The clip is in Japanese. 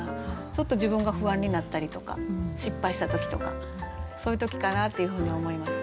ちょっと自分が不安になったりとか失敗した時とかそういう時かなっていうふうに思います。